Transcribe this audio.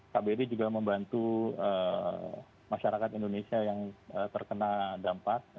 kbri juga membantu masyarakat indonesia yang terkena dampak